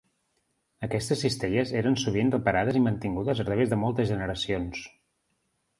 Aquestes cistelles eren sovint reparades i mantingudes a través de moltes generacions.